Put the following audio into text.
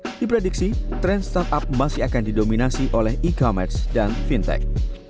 tahun dua ribu delapan belas diprediksi tren startup masih akan didominasi oleh e commerce dan fintech